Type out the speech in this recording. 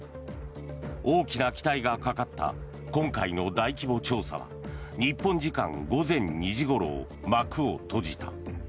大きな期待がかかった今回の大規模調査は日本時間午前２時ごろ幕を閉じた。